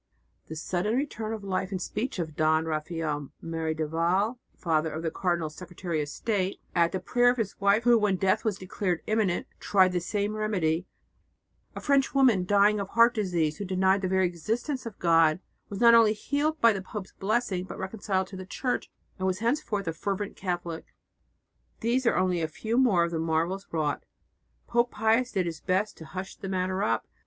The sudden return to life and speech of Don Rafael Merry del Val, father of the Cardinal Secretary of State, at the prayer of his wife who, when death was declared imminent, tried the same remedy; a French woman dying of heart disease, who denied the very existence of God, was not only healed by the pope's blessing, but reconciled to the Church and was henceforward a fervent Catholic: these are only a few more of the marvels wrought. Pope Pius did his best to hush the matter up.